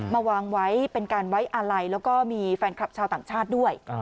มาวางไว้เป็นการไว้อาลัยแล้วก็มีแฟนคลับชาวต่างชาติด้วย